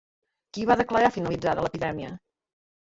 Qui va declarar finalitzada l'epidèmia?